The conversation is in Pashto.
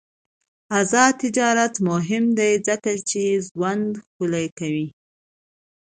آزاد تجارت مهم دی ځکه چې ژوند ښکلی کوي.